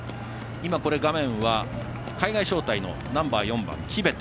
画面は海外招待のナンバー４番、キベト。